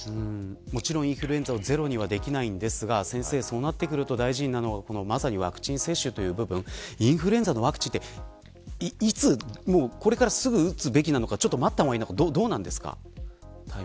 もちろんインフルエンザをゼロにはできないんですがそうなってくると、大事なのはワクチン接種という部分インフルエンザのワクチンってこれからすぐ打つべきなのか待った方がいいのかどうなんですか。